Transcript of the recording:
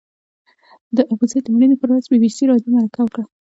د ابوزید د مړینې پر ورځ بي بي سي راډیو مرکه وکړه.